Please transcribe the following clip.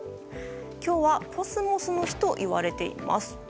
今日はコスモスの日といわれています。